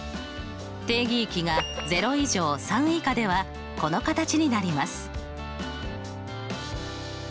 定義域が０以上３以下ではこの形になります。